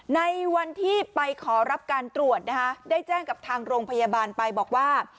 ในวันที่ไปขอรับการตรวจนะคะได้แจ้งกับทางโรงพยาบาลไปบอกว่า